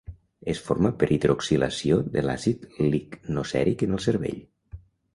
Es forma per hidroxilació de l'àcid lignocèric en el cervell.